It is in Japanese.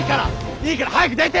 いいから早く出て！